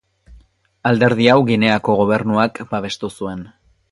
Alderdi hau Gineako gobernuak babestu zuen.